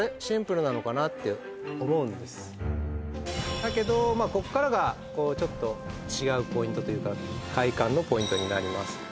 シンプルなのかなって思うんですだけどここからがこうちょっと違うポイントというか快感のポイントになります